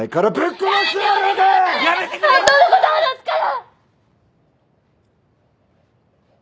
本当のこと話すから！